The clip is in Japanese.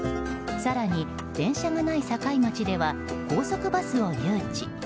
更に電車がない境町では高速バスを誘致。